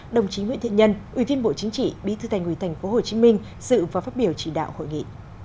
đồng chí nguyễn thiện nhân ủy viên bộ chính trị bí thư thành ủy tp hcm dự và phát biểu chỉ đạo hội nghị